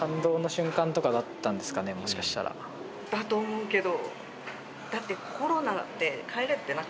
だと思うけど。